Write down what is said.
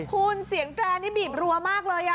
คุณเสียงแจนี่บีบรั้วมากเลยอ่ะ